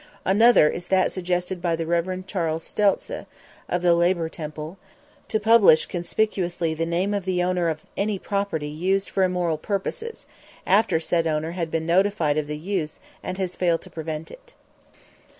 Another is that suggested by the Rev. Charles Stelzle, of the Labor Temple to publish conspicuously the name of the owner of any property used for immoral purposes, after said owner had been notified of the use and has failed to prevent it.